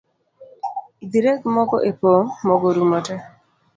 Dhi reg Mogo epong, Mogo orumo tee